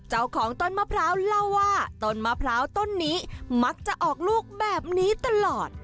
เจ้าของต้นมะพร้าวเล่าว่าต้นมะพร้าวต้นนี้มักจะออกลูกแบบนี้ตลอด